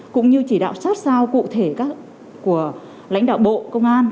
cũng như chỉ đạo sát sao cụ thể của lãnh đạo bộ công an